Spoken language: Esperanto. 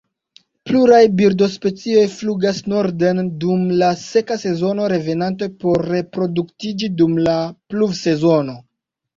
Pluraj birdospecioj flugas norden dum la seka sezono, revenante por reproduktiĝi dum la pluvsezono.